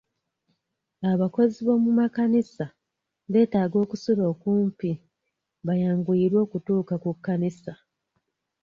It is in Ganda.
Abakozi b'omu makanisa beetaaga okusula okumpi bayanguyirwe okutuuka ku kkanisa.